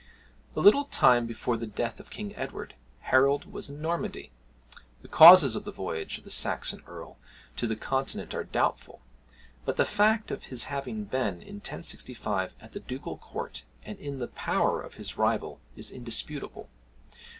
A little time before the death of King Edward, Harold was in Normandy. The causes of the voyage of the Saxon earl to the continent are doubtful; but the fact of his having been, in 1065, at the ducal court, and in the power of his rival, is indisputable.